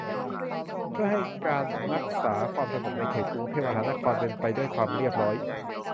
เพื่อให้การรักษาความสงบในเขตกรุงเทพมหานครเป็นไปด้วยความเรียบร้อย